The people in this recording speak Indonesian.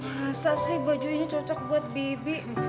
rasa sih baju ini cocok buat bibi